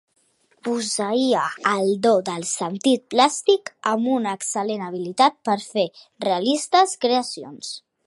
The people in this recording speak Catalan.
Posseïa el do del sentit plàstic, amb una excel·lent habilitat per fer realistes creacions.